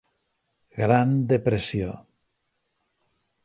Gran Depressió.